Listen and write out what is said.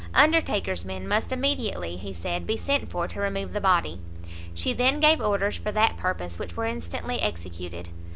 Undertaker's men must immediately, he said, be sent for, to remove the body. She then gave orders for that purpose, which were instantly executed.